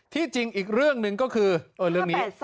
จริงอีกเรื่องหนึ่งก็คือเรื่องนี้